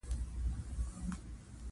هغه ثابته کړه چې سړی د فکر له لارې شتمنېږي.